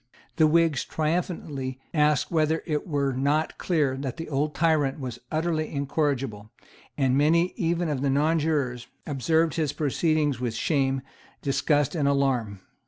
The Whigs triumphantly asked whether it were not clear that the old tyrant was utterly incorrigible; and many even of the nonjurors observed his proceedings with shame, disgust and alarm.